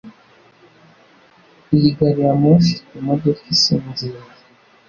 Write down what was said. Iyi gari ya moshi ifite imodoka isinziriye?